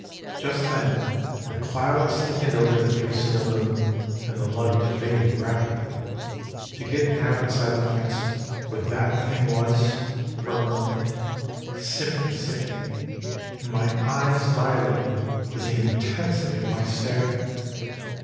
Just then the clouds thickened over the face of the moon, and the light faded rapidly. To get down inside the fence with that thing was, for a moment, simply sickening, and my eyes dilated with the intensity of my stare.